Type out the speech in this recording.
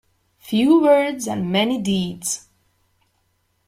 Few words and many deeds.